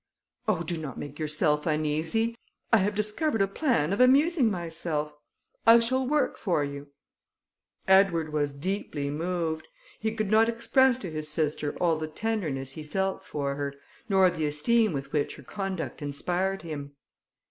"Oh! do not make yourself uneasy; I have discovered a plan of amusing myself; I shall work for you." Edward was deeply moved; he could not express to his sister all the tenderness he felt for her, nor the esteem with which her conduct inspired him.